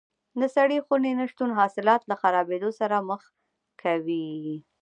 د سړې خونې نه شتون حاصلات له خرابېدو سره مخ کوي.